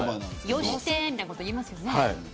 よして、みたいなこと言いますよね。